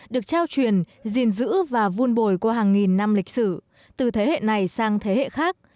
được trao truyền dữ và vun bồi qua hàng nghìn năm lịch sử từ thế hệ này sang thế hệ khác